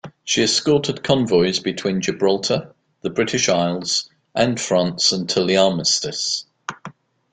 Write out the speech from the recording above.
She escorted convoys between Gibraltar, the British Isles, and France until the Armistice.